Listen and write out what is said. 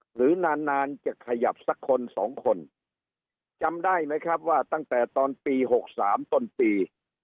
หรือนานนานจะขยับสักคนสองคนจำได้ไหมครับว่าตั้งแต่ตอนปี๖๓ต้นปี